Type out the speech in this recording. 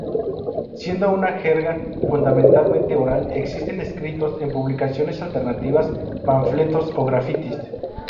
Siendo una jerga fundamentalmente oral, existen escritos en publicaciones alternativas, panfletos, o grafitis.